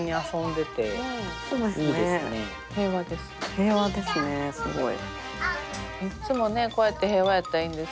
平和ですねすごい。